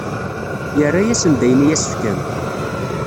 Yerra-asen-d ayen i as-fkan.